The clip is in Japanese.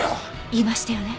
言いましたよね？